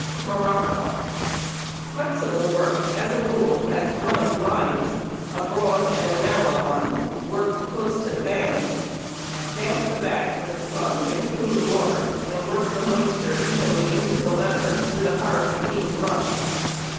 Morocco. Flexible work, as a rule, has blind lines, a broad and a narrow one, worked close to the bands. Damp the back with a sponge and clean water, and work the moisture evenly into the leather with a hard clean brush.